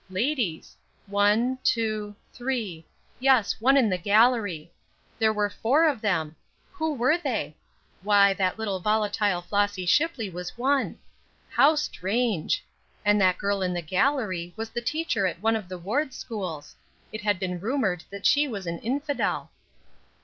Ladies! One two three. Yes, one in the gallery. There were four of them! Who were they? Why, that little, volatile Flossy Shipley was one! How strange! And that girl in the gallery was the teacher at one of the Ward schools. It had been rumored that she was an infidel!